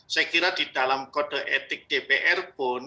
saya kira di dalam kode etik dpr pun